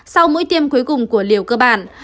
sau mũi tiêm cuối cùng của liều cơ bản